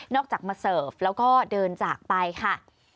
จากมาเสิร์ฟแล้วก็เดินจากไปค่ะ